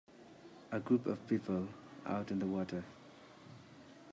a group of people out on the water.